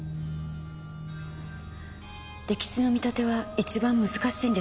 溺死の見立ては一番難しいんです。